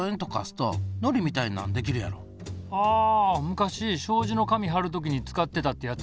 昔障子の紙張る時に使ってたってやつ？